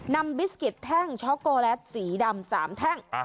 บิสเก็ตแท่งช็อกโกแลตสีดำ๓แท่ง